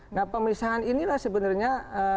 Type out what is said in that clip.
nah pemisahan inilah sebenarnya